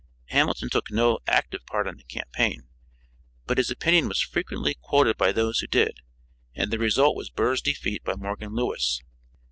Hamilton took no active part in the campaign, but his opinion was frequently quoted by those who did, and the result was Burr's defeat by Morgan Lewis.